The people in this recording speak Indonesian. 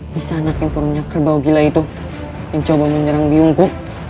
bisa anak yang punya kerbau gila itu mencoba menyerang biungku